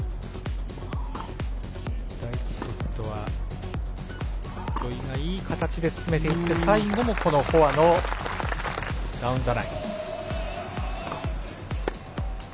第１セットは土居がいい形で進めていって最後もこのフォアのダウンザライン。